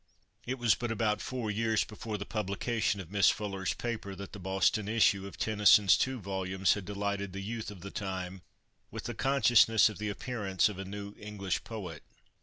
It was but about four years before the publication of Miss Fuller's paper that the Boston issue of Tennyson's two volumes had delighted the youth of the time with the consciousness of the appearance of a new English poet.